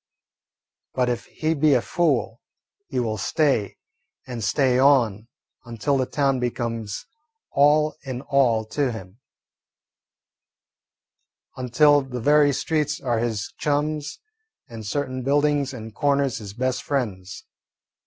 But if he be a fool, he will stay and stay on until the town becomes all in all to him; until the very streets are his chums and certain buildings and corners his best friends.